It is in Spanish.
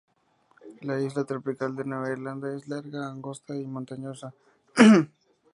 La isla tropical de Nueva Irlanda es larga, angosta y montañosa.